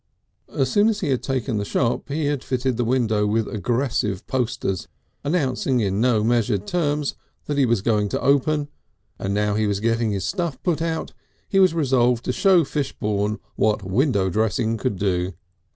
So soon as he had taken the shop he had filled the window with aggressive posters announcing in no measured terms that he was going to open, and now he was getting his stuff put out he was resolved to show Fishbourne what window dressing could do.